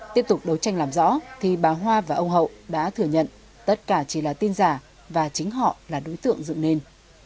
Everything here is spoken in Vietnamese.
tiếp tục đấu tranh làm rõ thì bà hoa và ông hậu đã thừa nhận tất cả chỉ là tin giả và chính họ là đối tượng dựng nên